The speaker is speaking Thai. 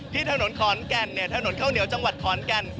ที่ถนนขอนแก่นถนนข้าวเหนียวจังหวัดขอนแก่น